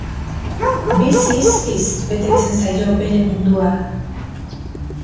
Bizi-izpiz betetzen zaio bere mundua.